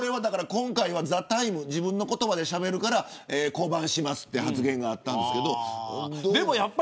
今回はＴＨＥＴＩＭＥ，自分の言葉でしゃべるから降板しますって発言あったんですけれど。